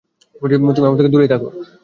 তুমি আমার থেকে দূরেই থাকো।